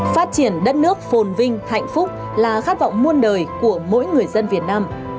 phát triển đất nước phồn vinh hạnh phúc là khát vọng muôn đời của mỗi người dân việt nam